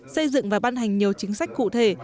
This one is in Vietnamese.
xây dựng và ban hành nhiều chính sách cụ thể